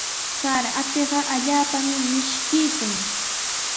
Sara apiqa allaapami mishkiykun.